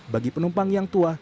bagi penumpang yang tua